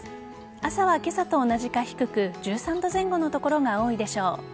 朝は今朝と同じか低く１３度前後の所が多いでしょう。